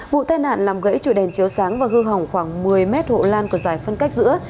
vụ tai nạn làm gãy chùa đèn chiếu sáng và hư hỏng khoảng một mươi mét hộ lan của giải phân cách giữa